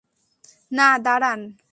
না, দাঁড়ান।